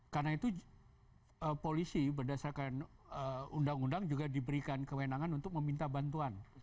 karena itu polisi berdasarkan undang undang juga diberikan kewenangan untuk meminta bantuan